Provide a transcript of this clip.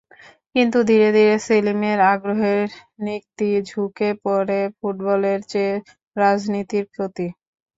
কিন্তু ধীরে ধীরে সেলিমের আগ্রহের নিক্তি ঝুঁকে পড়ে ফুটবলের চেয়ে রাজনীতির প্রতি।